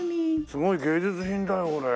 すごい芸術品だよこれ。